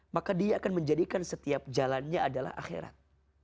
maka dia akan menjadikan setiap jalannya adalah akhirat